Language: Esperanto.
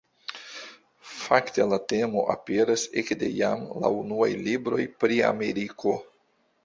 Fakte la temo aperas ekde jam la unuaj libroj pri Ameriko.